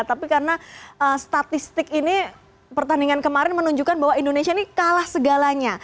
tapi karena statistik ini pertandingan kemarin menunjukkan bahwa indonesia ini kalah segalanya